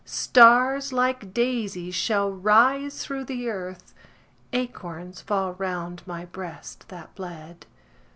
Stars, like daisies, shall rise through the earth, Acorns fall round my breast that bled.